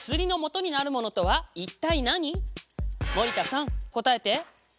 森田さん答えて。